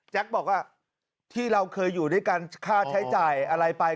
บอกว่าที่เราเคยอยู่ด้วยกันค่าใช้จ่ายอะไรไป